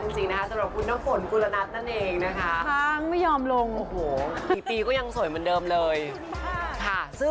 สวัสดีค่ะสวัสดีค่ะ